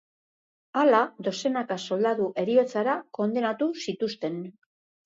Hala, dozenaka soldadu heriotzara kondenatu zituzten.